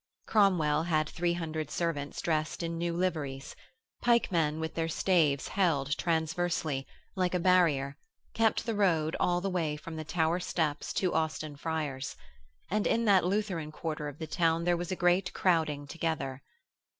Cromwell had three hundred servants dressed in new liveries: pikemen with their staves held transversely, like a barrier, kept the road all the way from the Tower Steps to Austin Friars, and in that Lutheran quarter of the town there was a great crowding together.